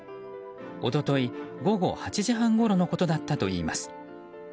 一昨日、午後８時半ごろのことだったといいます。